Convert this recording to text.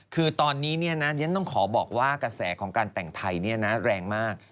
คือตอนนี้เนี่ยนะยังต้องขอบอกว่ากระแสของการแต่งไทยเนี่ยนะแรงมาก